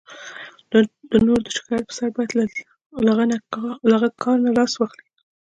د نورو د شکایت په سر باید له هغه کار نه لاس واخلئ.